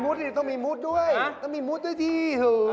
มันต้องมีมุตรด้วยต้องมีมุตรด้วยดี